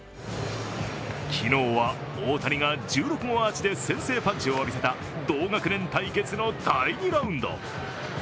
昨日は大谷が１６号アーチで先制パンチを浴びせた同学年対決の第２ラウンド。